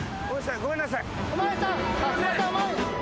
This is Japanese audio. ごめんなさい。